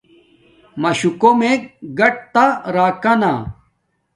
ماشُو کومک گاٹتا راکانا